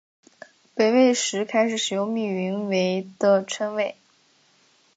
北魏时开始使用密云为的称谓。